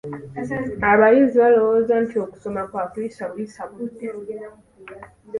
Abayizi balowooza nti okusoma kwakuyisa buyisa budde.